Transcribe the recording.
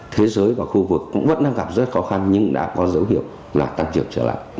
thế giới và khu vực cũng vẫn đang gặp rất khó khăn nhưng đã có dấu hiệu là tăng trưởng trở lại